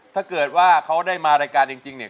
ถ้าเกิดว่าเขาได้มารายการจริงเนี่ย